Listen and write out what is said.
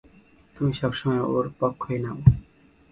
তুমি সবসময় ওর পক্ষই নাও।